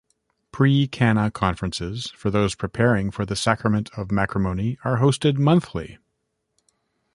Pre-Cana conferences for those preparing for the sacrament of Matrimony are hosted monthly.